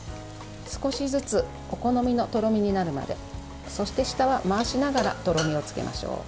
少しずつお好みのとろみになるまでそして下は回しながらとろみをつけましょう。